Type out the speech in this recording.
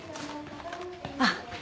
あっ！